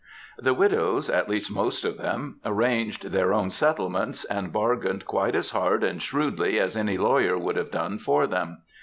The widows, at least most of them, arranged their own settlements, and bargained quite as hard and shrewdly as any lawyer could have done for them.